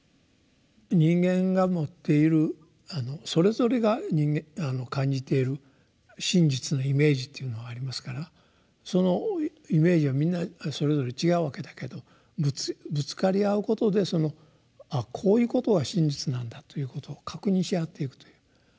人間が持っているそれぞれが感じている真実のイメージっていうのはありますからそのイメージはみんなそれぞれ違うわけだけどぶつかり合うことで「ああこういうことが真実なんだ」ということを確認し合っていくという。